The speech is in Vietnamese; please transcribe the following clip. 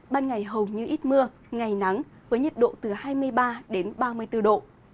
ban ngày hầu như ít mưa ngày nắng với nhiệt độ từ hai mươi ba đến ba mươi bốn độ